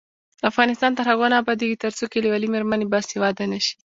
افغانستان تر هغو نه ابادیږي، ترڅو کلیوالې میرمنې باسواده نشي.